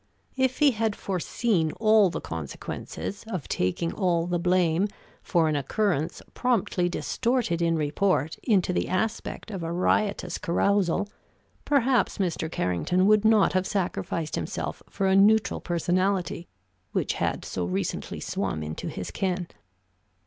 If he had foreseen all the consequences of taking all the blame for an occurrence promptly distorted in report into the aspect of a riotous carousal, perhaps Mr. Carrington would not have sacrificed himself for a neutral personality which had so recently swum into his ken.